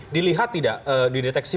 dilihat tidak dideteksi